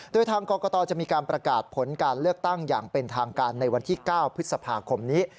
โดยทางกรกตจะมีการประกาศผลการเลือกตั้งอย่างเป็นทางการในวันที่๙พฤษภาคมนี้